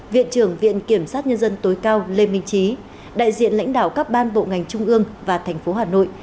viện trưởng viện kiểm sát nhân dân tối cao lê minh trí đại diện lãnh đạo các ban bộ ngành trung ương và thành phố hà nội